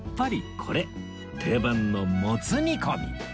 定番のもつ煮込み